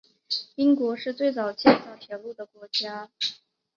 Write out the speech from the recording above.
英国是最早建造铁路的国家。